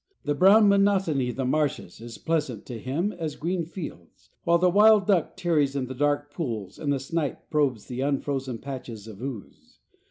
The brown monotony of the marshes is pleasant to him as green fields, while the wild duck tarries in the dark pools and the snipe probes the unfrozen patches of ooze.